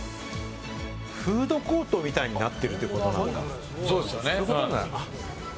フードコートみたいになってるってことなのかな？